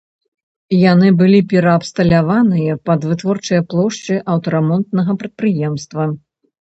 Яны былі пераабсталяваныя пад вытворчыя плошчы аўтарамонтнага прадпрыемства.